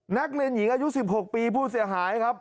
นักเล่นหญิงอายุสิบหกปีผู้เสียหายครับ